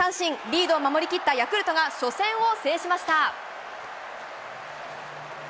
リードを守りきったヤクルトが初戦を制しました。